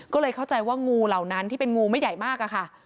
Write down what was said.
ก็เลยเข้าใจว่างูเหล่านั้นที่เป็นงูไม่ใหญ่มากอะค่ะ